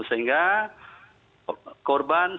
sehingga korban sempat melakukan terjadi cekcok